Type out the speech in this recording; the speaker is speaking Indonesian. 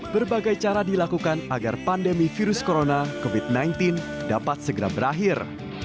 berbagai cara dilakukan agar pandemi virus corona covid sembilan belas dapat segera berakhir